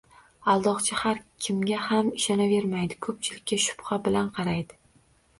Aldoqchi har kimga ham ishonavermaydi, ko‘pchilikka shubha bilan qaraydi.